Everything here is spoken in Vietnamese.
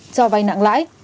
cho vai nặng lãi